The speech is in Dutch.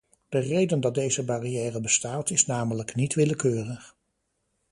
De reden dat deze barrière bestaat is namelijk niet willekeurig.